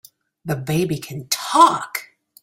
The baby can TALK!